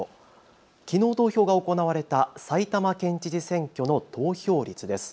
きのう投票が行われた埼玉県知事選挙の投票率です。